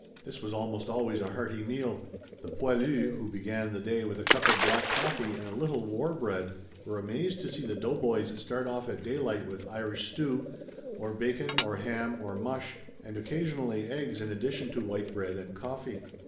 This was almost always a hearty meal. The poilus who began the day with a cup of black coffee and a little war bread were amazed to see the doughboys start off at daylight with Irish stew, or bacon or ham or mush and occasionally eggs in addition to white bread and coffee.